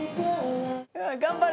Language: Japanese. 頑張れ。